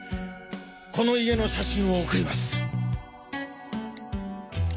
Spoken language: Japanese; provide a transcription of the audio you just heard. この家の写真を送ります。